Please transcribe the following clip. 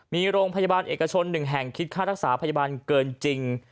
มีโรงพยาบาลเอกชน๑แห่งคิดค่ารักษาพยาบาลเกินจริง